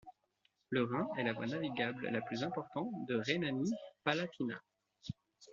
Le Rhin est la voie navigable la plus importante de Rhénanie-Palatinat.